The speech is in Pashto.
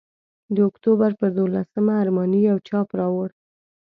د اکتوبر پر دوولسمه ارماني یو چاپ راوړ.